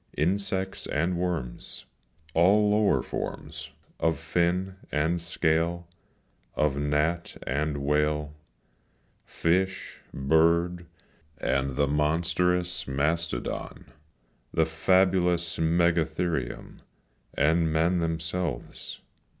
Insects and worms, All lower forms Of fin and scale, Of gnat and whale, Fish, bird, and the monstrous mastodon, The fabulous megatherium, And men themselves.